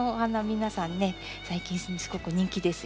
皆さんね最近すごく人気ですよね。